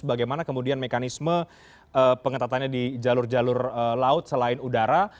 bagaimana kemudian mekanisme pengetatannya di jalur jalur laut selain udara